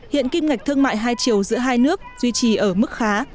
hiện kim ngạch thương mại hai triệu giữa hai nước duy trì ở mức khá